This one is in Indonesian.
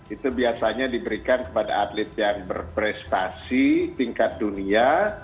itu biasanya diberikan kepada atlet yang berprestasi tingkat dunia